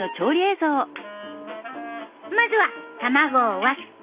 まずは卵を割って。